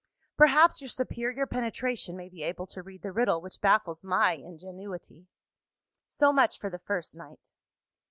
Perhaps, your superior penetration may be able to read the riddle which baffles my ingenuity. "So much for the first night.